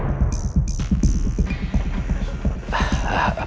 pangeran tunggu pangeran